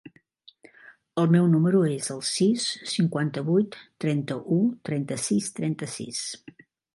El meu número es el sis, cinquanta-vuit, trenta-u, trenta-sis, trenta-sis.